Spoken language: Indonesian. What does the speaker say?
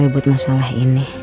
rebut masalah ini